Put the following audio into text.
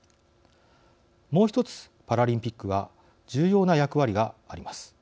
もう一つ、パラリンピックには重要な役割があります。